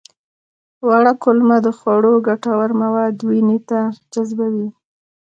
وړه کولمه د خوړو ګټور مواد وینې ته جذبوي